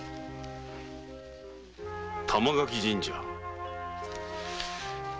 「玉垣神社」。